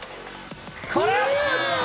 これ！